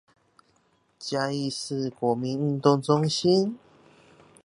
嘉義市國民運動中心